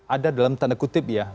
ada dalam tanda kutip ya